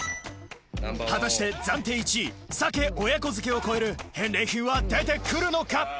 果たして暫定１位鮭親子漬けを超える返礼品は出て来るのか？